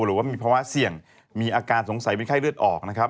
หรือว่ามีภาวะเสี่ยงมีอาการสงสัยเป็นไข้เลือดออกนะครับ